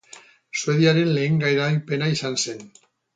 Suediaren lehen garaipena izan zen.